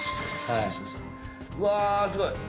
うわすごい。